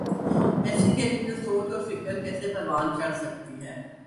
ایسی کیفیت میں سوچ اور فکر کیسے پروان چڑھ سکتی ہے۔